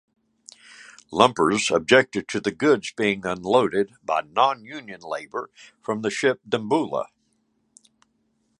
Lumpers objected to goods being unloaded by non-union labour from the ship "Dimboola".